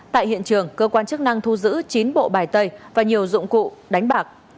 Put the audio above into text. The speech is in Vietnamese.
tại hiện trường cơ quan chức năng thu giữ chín bộ bài tay và nhiều dụng cụ đánh bạc